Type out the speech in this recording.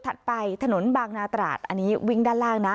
ไปถนนบางนาตราดอันนี้วิ่งด้านล่างนะ